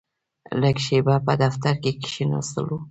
لږه شېبه په دفتر کې کښېناستلو.